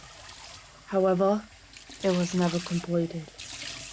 However, it was never completed.